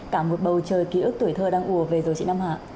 cả một bầu trời ký ức tuổi thơ đang ùa về rồi chị năm hạ